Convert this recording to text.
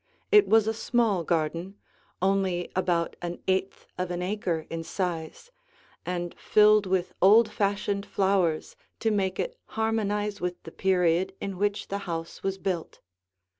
It was a small garden, only about an eighth of an acre in size, and filled with old fashioned flowers to make it harmonize with the period in which the house was built.